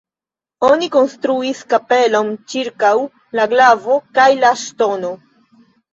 Oni konstruis kapelon ĉirkaŭ la glavo kaj la ŝtono.